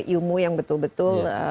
ilmu yang betul betul